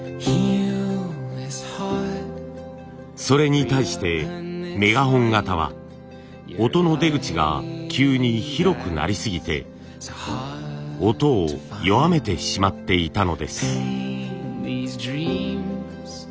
それに対してメガホン型は音の出口が急に広くなりすぎて音を弱めてしまっていたのです。